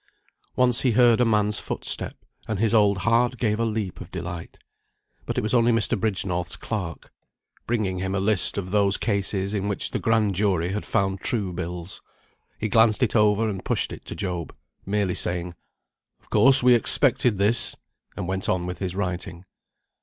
Once he heard a man's footstep, and his old heart gave a leap of delight. But it was only Mr. Bridgenorth's clerk, bringing him a list of those cases in which the grand jury had found true bills. He glanced it over and pushed it to Job, merely saying, "Of course we expected this," and went on with his writing.